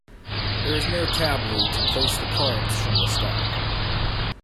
There is no tableau to place the cards from the stock.